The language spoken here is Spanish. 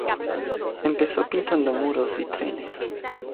Empezó pintando muros y trenes.